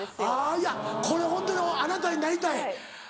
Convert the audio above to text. いやこれホントにあなたになりたい。